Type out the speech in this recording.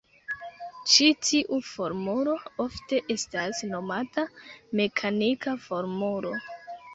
Ĉi tiu formulo ofte estas nomata mekanika formulo.